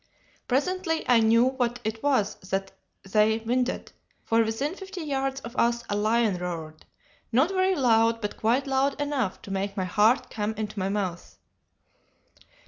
Presently I knew what it was that they winded, for within fifty yards of us a lion roared, not very loud, but quite loud enough to make my heart come into my mouth.